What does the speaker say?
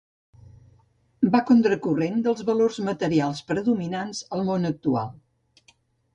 Va contra corrent dels valors materials predominants al món actual.